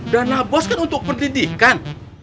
dana bos kan untuk pendidikan